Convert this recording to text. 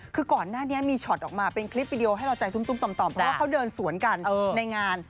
คือก่อนหน้านี้มีช็อตออกมาเป็นคลิปวิดีโอให้เราใจตุ้มต่อมเพราะว่าเขาเดินสวนกันในงาน